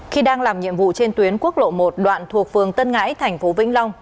khi đang làm nhiệm vụ trên tuyến quốc lộ một đoạn thuộc phường tân ngãi tp vĩnh long